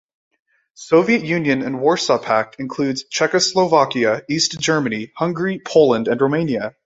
"Soviet Union and Warsaw Pact" includes Czechoslovakia, East Germany, Hungary, Poland, and Romania.